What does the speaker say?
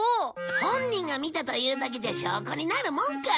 本人が見たというだけじゃ証拠になるもんか！